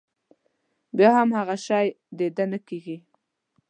بيا هم هغه شی د ده نه کېږي.